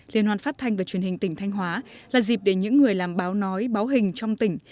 liên hoan phát thanh và truyền hình tỉnh thanh hóa là dịp để những người làm báo nói báo hình trong tỉnh